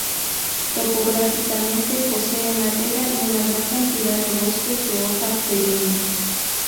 Topográficamente, posee madera y una gran cantidad de bosques de hoja perenne.